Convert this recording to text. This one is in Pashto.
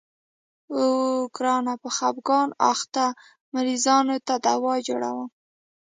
اوو ګرانه په خفګان اخته مريضانو ته دوا جوړومه.